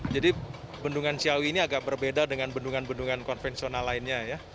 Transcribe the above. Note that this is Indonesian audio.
jadi bendungan ciawi ini agak berbeda dengan bendungan bendungan konvensional lainnya ya